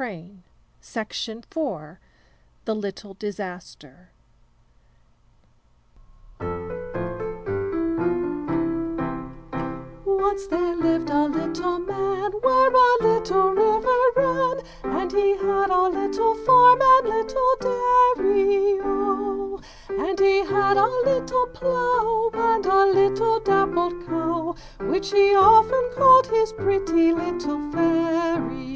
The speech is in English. _ [Illustration: THE LITTLE DISASTER] [Music: Once there lived a little man, Where a little river ran, And he had a little farm and little dairy O! And he had a little plough, And a little dappled cow, Which he often called his pretty little Fairy O!